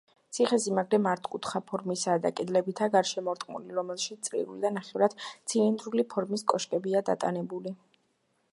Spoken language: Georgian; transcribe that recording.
ციხესიმაგრე მართკუთხა ფორმისაა და კედლებითაა გარშემორტყმული, რომელშიც წრიული და ნახევრად ცილინდრული ფორმის კოშკებია დატანებული.